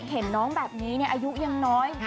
เห็นน้องแบบนี้อายุยังน้อย